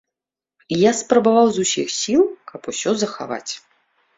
Я спрабаваў з усіх сіл, каб усё захаваць.